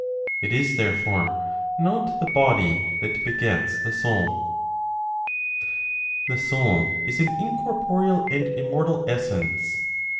It is, therefore, not the body that begets the soul. THE SOUL IS AN INCORPOREAL AND IMMORTAL ESSENCE.